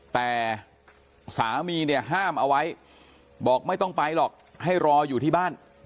แต่สามีเนี่ยห้ามเอาไว้บอกไม่ต้องไปหรอกให้รออยู่ที่บ้าน